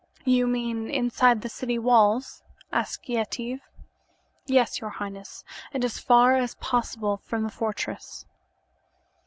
"You mean inside the city walls?" asked Yetive. "Yes, your highness, and as far as possible from the fortress."